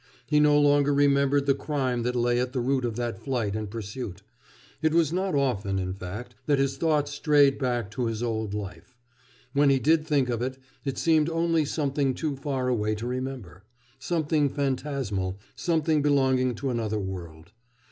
He no longer remembered the crime that lay at the root of that flight and pursuit. It was not often, in fact, that his thoughts strayed back to his old life. When he did think of it, it seemed only something too far away to remember, something phantasmal, something belonging to another world.